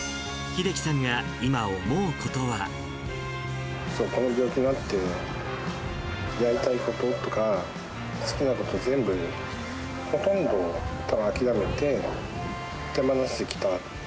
この病気になって、やりたいこととか、好きなこと全部、ほとんど諦めて、手放してきた。